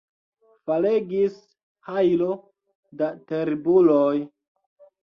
Falegis hajlo da terbuloj.